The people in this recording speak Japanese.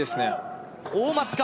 大松か？